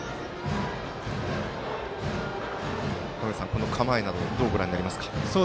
この構えなどどうご覧になりますか？